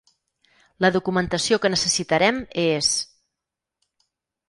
La documentació que necessitarem és:.